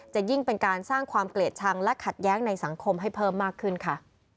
จะยิ่งเป็นการสร้างความเกลียดชังและขัดแย้งในสังคมให้เพิ่มมากขึ้นค่ะ